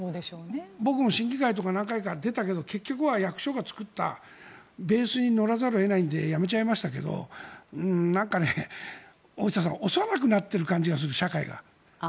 僕も審議会とか何回か出たけど結局は役所が作ったベースに乗らざるを得ないのでやめちゃいましたけどなんか、大下さん幼くなっている気がする社会が。